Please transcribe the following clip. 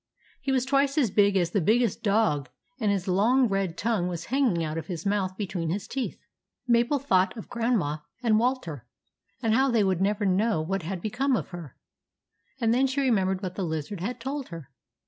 He was twice as big as the biggest dog, and his long red tongue was hanging out of his mouth between his teeth. Mabel thought of Grandma and Walter and how they would never know what had become of her; and then she remembered what the lizard had told her.